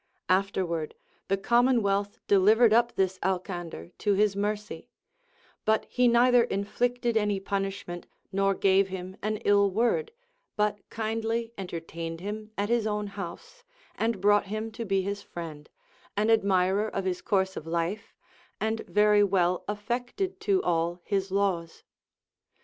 Afterward the commonwealth delivered up this Alcander to his mercy ; but he neither inflicted any punishment nor gave him an ill word, but kindly entertained him at his own house, and brought him to be his friend, an admirer of his course of life, and very well affected to all his laws.